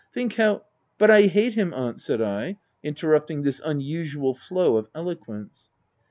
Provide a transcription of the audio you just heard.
Think how —"" But I hate him, aunt/' said I, interrupt ing this unusual flow of eloquence.